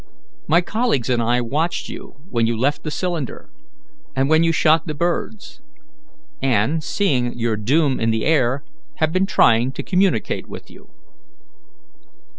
My colleagues and I watched you when you left the cylinder and when you shot the birds, and, seeing your doom in the air, have been trying to communicate with you."